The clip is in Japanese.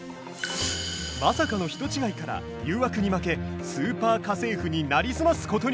まさかの人違いから誘惑に負け「スーパー家政婦」になりすますことに。